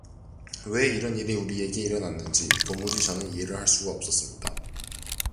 왜 이런 일이 우리에게 일어났는지, 도무지 저는 이해를 할 수가 없었습니다.